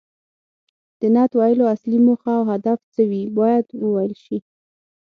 د نعت ویلو اصلي موخه او هدف څه وي باید وویل شي.